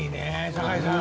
酒井さん。